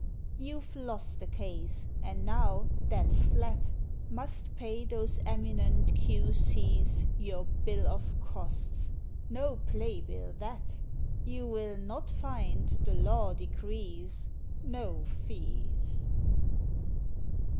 You've lost the case, and now, "that's flat," Must pay those eminent Q.C.'s Your Bill of Costs! No Play bill that! You will not find the Law decrees "No fees."